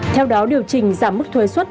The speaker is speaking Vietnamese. theo đó điều chỉnh giảm mức thuế xuất